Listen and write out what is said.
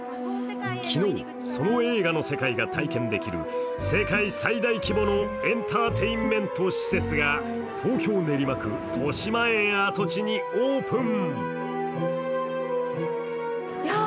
昨日、その映画の世界が体験できる世界最大規模のエンターテインメント施設が東京・練馬区としまえん跡地にオープン。